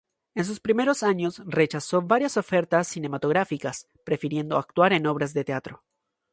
En sus primeros años, rechazó varias ofertas cinematográficas, prefiriendo actuar en obras de teatro.